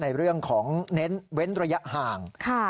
ในเรื่องของเน้นเว้นระยะห่าง